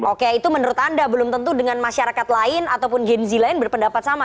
oke itu menurut anda belum tentu dengan masyarakat lain ataupun genzi lain berpendapat sama